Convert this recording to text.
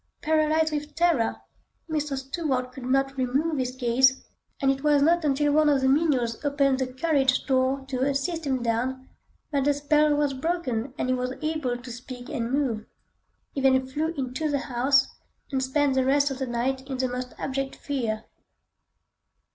Paralysed with terror, Mr. Stuart could not remove his gaze, and it was not until one of the menials opened the carriage door to assist him down, that the spell was broken and he was able to speak and move. He then flew into the house, and spent the rest of the night in the most abject fear.